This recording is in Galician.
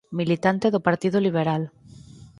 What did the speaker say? Militante do Partido Liberal.